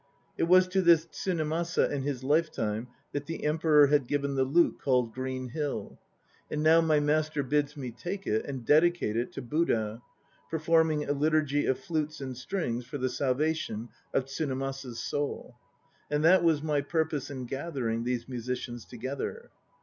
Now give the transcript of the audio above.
It was to this Tsunemasa in his lifetime that the Emperor had given the lute called Green Hill. And now my master bids me take it and dedicate it to Buddha, performing a liturgy of flutes and strings for the salvation of Tsunemasa's soul. And that was my purpose in gathering these musicians together.